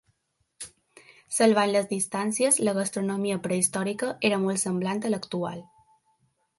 Salvant les distàncies, la gastronomia prehistòrica era molt semblant a l'actual.